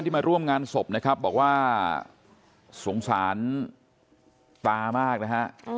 แต่ในร่วมงานศพบอกว่าสงสารตามากนะฮะ